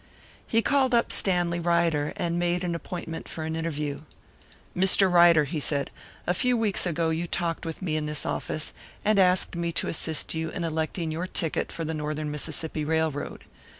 He called up Stanley Ryder, and made an appointment for an interview. "Mr. Ryder," he said, "a few weeks ago you talked with me in this office, and asked me to assist you in electing your ticket for the Northern Mississippi Railroad.